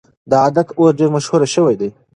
دا عادت اوس ډېر مشهور شوی دی.